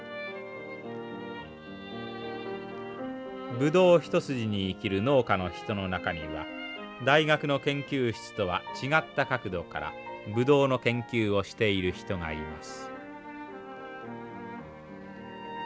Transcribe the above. ブドウ一筋に生きる農家の人の中には大学の研究室とは違った角度からブドウの研究をしている人がいます。